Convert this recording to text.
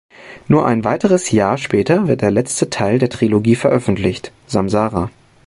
Nur ein weiteres Jahr später wird der letzte Teil der Trilogie veröffentlicht: "Samsara".